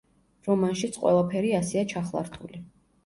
რომანშიც ყველაფერი ასეა ჩახლართული.